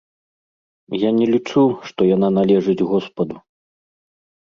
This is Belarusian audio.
Я не лічу, што яна належыць госпаду.